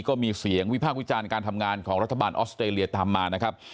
ก็มีเสียงวิพากษ์วิจารณ์การทำงานของรัฐบาลออสเตรเลียทำมานะครับ